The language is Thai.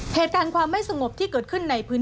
เหตุการณ์ความไม่สงบที่เกิดขึ้นในพื้นที่